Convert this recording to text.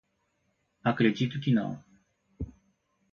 Acredito que não